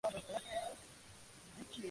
Escribió alrededor de cuarenta obras.